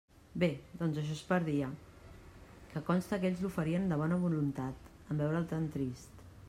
Bé; doncs això es perdia; que conste que ells l'oferien de bona voluntat, en veure'l tan trist.